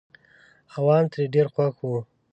عوام ترې ډېر خوښ وو.